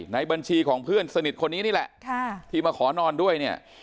ในบัญชีของเพื่อนสนิทคนนี้นี่แหละที่มาขอนอนด้วยเนี่ย